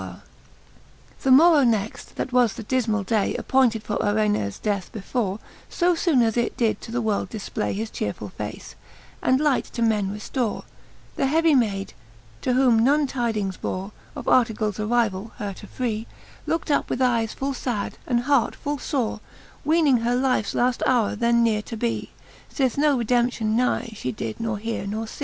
weare^ XI. The morrow next, that was the difrnall day. Appointed for Irenas death before, So Ibone as it did to the world difplay His chearefuU face, and light to men reftore, The heavy mayd, to whom none tydings bore Of Artevals arryvall, her to free, Lookt up with eyes full fad and hart full fore; Weening her lifes laft howre then neare to bee, S'ith no redemption nigh fhe did not heare nor fee.